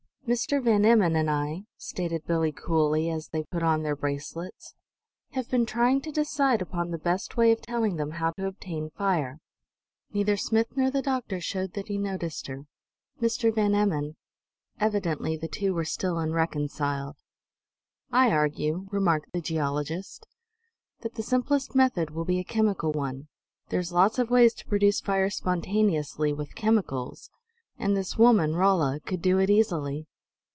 "Mr. Van Emmon and I," stated Billie coolly, as they put on their bracelets, "have been trying to decide upon the best way of telling them how to obtain fire." Neither Smith nor the doctor showed that he noticed her "Mr. Van Emmon." Evidently the two were still unreconciled. "I argue," remarked the geologist, "that the simplest method will be a chemical one. There's lots of ways to produce fire spontaneously, with chemicals; and this woman Rolla could do it easily."